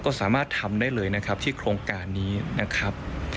ก็สามารถทำได้เลยนะครับที่โครงการนี้นะครับ